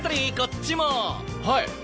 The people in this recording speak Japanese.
はい！